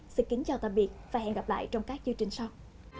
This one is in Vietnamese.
xin kính chào tạm biệt và hẹn gặp lại trong các chương trình sau